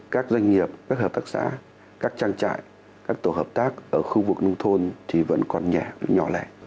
các doanh nghiệp các hợp tác xã các trang trại các tổ hợp tác ở khu vực nông thôn thì vẫn còn nhỏ lẻ